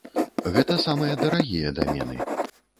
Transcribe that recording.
Гэта самыя дарагія дамены.